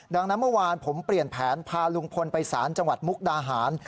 ดังนั้นเมื่อวานผมเปลี่ยนแผนพาลุงพลไปสารจังหวัดมุกดาหาร